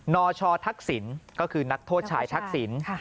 นชทักษิณก็คือนักโทษชายทักศิลป์